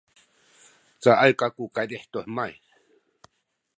cayay kaydih kaku tu hemay